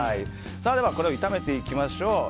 ではこれを炒めていきましょう。